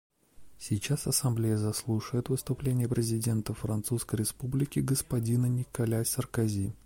Сейчас Ассамблея заслушает выступление президента Французской Республики господина Николя Саркози.